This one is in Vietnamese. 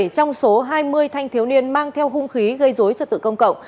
bảy trong số hai mươi thanh thiếu niên mang theo hung khí gây dối trật tự công cộng